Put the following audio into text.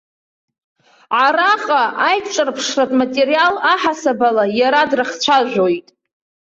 Араҟа аиҿырԥшратә материал аҳасабала иара дрыхцәажәоит.